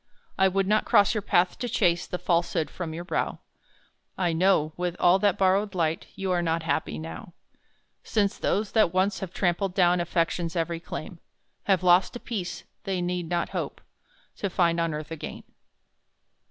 I would not cross your path to chase The falsehood from your brow I know, with all that borrowed light, You are not happy now: Since those that once have trampled down Affection's early claim, Have lost a peace they need not hope To find on earth again.